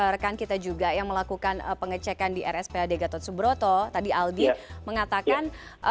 rekan kita juga yang melakukan pengecekan di rspad gatot subroto tadi aldi mengatakan